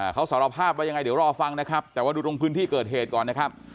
เขาสารภาพว่ายังไงเดี๋ยวรอฟังนะครับแต่ว่าดูตรงพื้นที่เกิดเหตุก่อนนะครับ